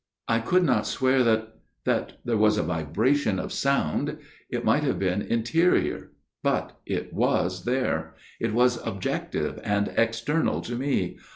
I could not swear that that there was a vibration of sound. It might have been interior, but it was there ; it was objective and external to me